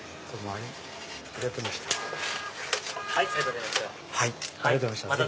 ありがとうございます。